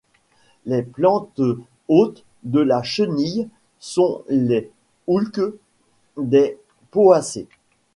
Les plantes hôtes de sa chenille sont les houlques, des poacées.